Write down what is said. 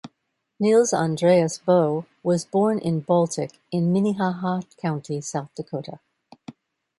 Nils Andreas Boe was born in Baltic in Minnehaha County, South Dakota.